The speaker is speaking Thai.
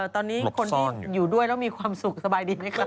ตอนนี้คนที่อยู่ด้วยแล้วมีความสุขสบายดีไหมครับ